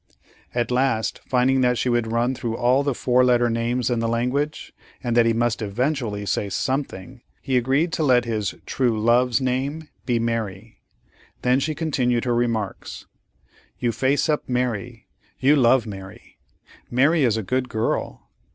At last, finding that she would run through all the four letter names in the language, and that he must eventually say something, he agreed to let his "true love's" name be Mary. Then she continued her remarks: "You face up Mary, you love Mary; Mary is a good girl.